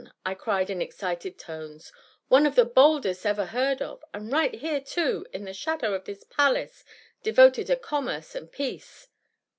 I cried in excited tones. One of the boldest ever heard of, and right here, too, in the shadow of this palace devoted to commerce and peace.